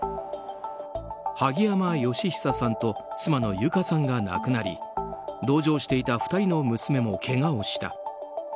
萩山嘉久さんと妻の友香さんが亡くなり同乗していた２人の娘もけがをした。